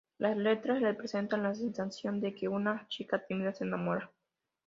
Las letras representan la sensación de que una chica tímida se enamora.